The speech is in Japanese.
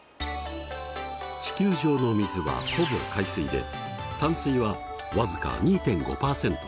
地球上の水はほぼ海水で淡水は僅か２．５％ほど。